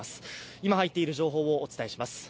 今、入っている情報をお伝えします